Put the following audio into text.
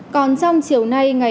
còn trong chiều nay